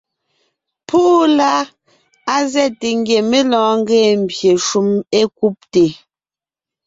Púʼu la, á zɛ́te ngie mé lɔɔn ńgee pye shúm é kúbte.